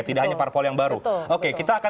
tidak hanya parpol yang baru oke kita akan